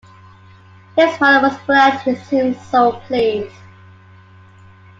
His mother was glad, he seemed so pleased.